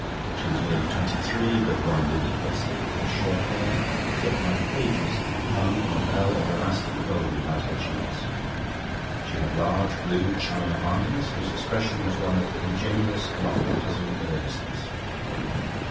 She was nearly twenty three, but one wouldn't have guessed it. Her short hair, clipped like a page's, hung in a bell of elastic gold about her cheeks. She had large blue china eyes, whose expression was one of ingenuous and often puzzled earnestness.